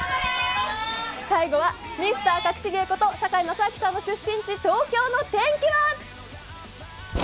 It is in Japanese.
最後はミスターかくし芸こと堺正章さんの出身地東京の天気は。